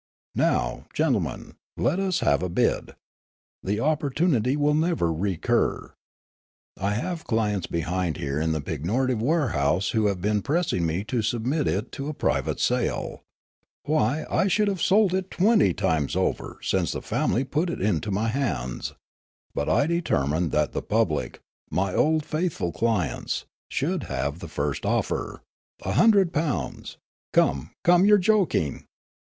Now, gentlemen, let Us have a bid; the opportunity will never recur; I have clients behind here in the pignorative warehouse who have been pressing me to submit it to private sale ; why, I could have sold it twenty times over since the family put it into my hands ; but I determined that the pub lic, my old and faithful clients, should have the first offer. A hundred pounds! Come, come, you are jok ing.